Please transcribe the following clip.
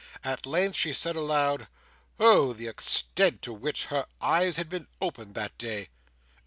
At length, she said aloud, "Oh the extent to which her eyes had been opened that day!"